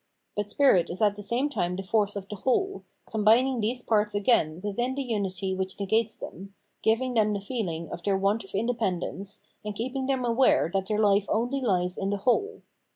But spirit is at the same time the force of the whole, combining these parts again within the unity which negates them, giving them the fee ling of their want of independence, and keep ing them aware that their life only lies in the whole.